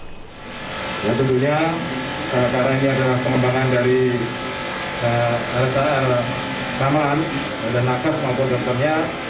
tentunya karena ini adalah pengembangan dari taman dan lakas maupun dokternya